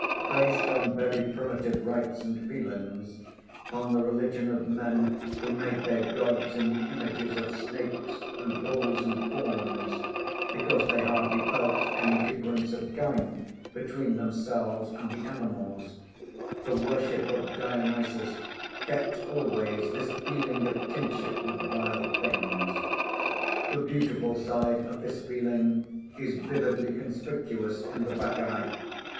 Based on very primitive rites and feelings, on the religion of men who made their gods in the image of snakes and bulls and fawns, because they hardly felt any difference of kind between themselves and the animals, the worship of Dionysus kept always this feeling of kinship with wild things. The beautiful side of this feeling is vividly conspicuous in The Bacchae.